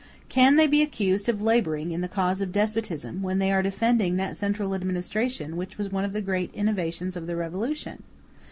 Can they be accused of laboring in the cause of despotism when they are defending that central administration which was one of the great innovations of the Revolution?